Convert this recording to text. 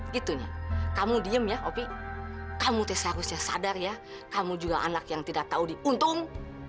gitu nih kamu diem ya hobi kamu seharusnya sadar ya kamu juga anak yang tidak tahu diuntung